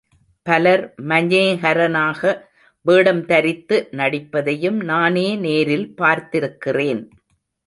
பலர் மஞேஹரனாக வேடம் தரித்து நடிப்பதையும் நானே நேரில் பார்த்திருக்கிறேன்.